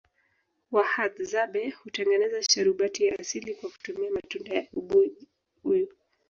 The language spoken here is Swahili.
wahadzabe hutengeza sharubati ya asili kwa kutumia matunda ya ubuyu